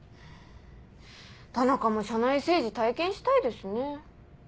田中も社内政治体験したいですね。